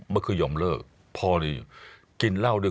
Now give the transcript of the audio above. มักคือหย่อมเลิกพอนี่กินเหล้าด้วย